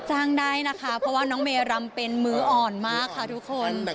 จ้างได้นะคะเพราะว่าน้องเมรำเป็นมื้ออ่อนมากค่ะทุกคน